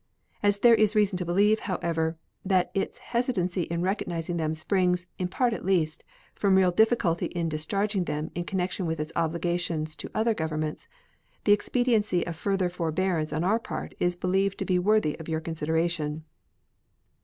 As there is reason to believe, however, that its hesitancy in recognizing them springs, in part at least, from real difficulty in discharging them in connection with its obligations to other governments, the expediency of further forbearance on our part is believed to be worthy of your consideration.